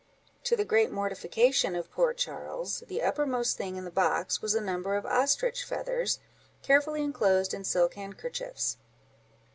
To the great mortification of poor Charles, the uppermost thing in the box was a number of ostrich feathers, carefully enclosed in silk handkerchiefs.